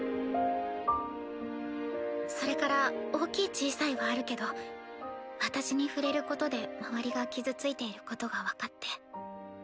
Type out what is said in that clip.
それから大きい小さいはあるけど私に触れることで周りが傷ついていることが分かって。